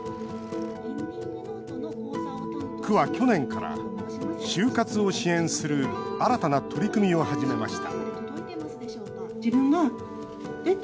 区は、去年から終活を支援する新たな取り組みを始めました